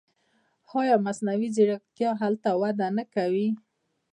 آیا مصنوعي ځیرکتیا هلته وده نه کوي؟